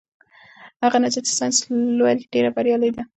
هغه نجلۍ چې ساینس لولي ډېره بریالۍ ده.